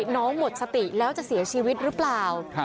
หมดสติแล้วจะเสียชีวิตหรือเปล่า